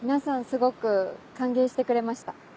すごく歓迎してくれました。